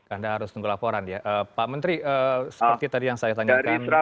anda harus tunggu laporan ya pak menteri seperti tadi yang saya tanyakan